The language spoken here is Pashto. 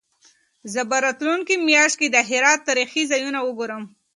زه به راتلونکې میاشت د هرات تاریخي ځایونه وګورم.